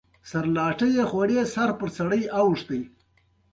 او هم به مو ځوانان پرديو هيوادنو ته په مزدورۍ نه تلى.